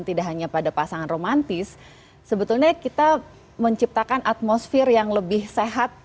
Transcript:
tidak hanya pada pasangan romantis sebetulnya kita menciptakan atmosfer yang lebih sehat